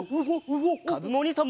かずむおにいさんも。